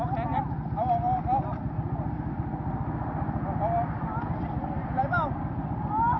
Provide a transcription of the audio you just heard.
เป็นอะไรเป้า